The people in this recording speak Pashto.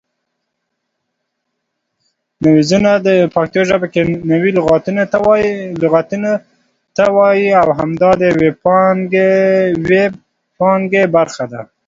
نویزونه پښتو ژبه کې نوي لغتونو ته وایي او همدا د وییپانګې برخه ده